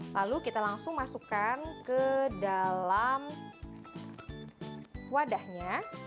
lalu kita langsung masukkan ke dalam wadahnya